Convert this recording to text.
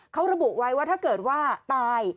เขาระบุไว้ว่าถ้าเกิดว่าตาย